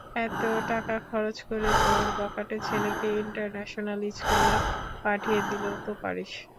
এত টাকা খরচ করে তোর বখাটে ছেলেকে ইন্টারন্যাশনাল স্কুলে পাঠিয়ে দিলেও তো পারিস।